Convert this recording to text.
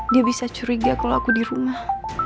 dia bisa curiga kalau aku di rumah